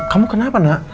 kamu kenapa nak